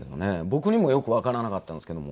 僕にもよくわからなかったんですけども。